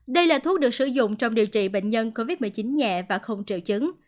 đây là thuốc được sử dụng trong điều trị bệnh nhân covid một mươi chín nhẹ và không triệu chứng